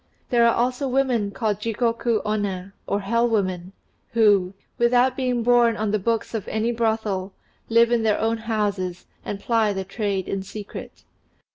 There are also women called Jigoku Omna, or hell women, who, without being borne on the books of any brothel, live in their own houses, and ply their trade in secret.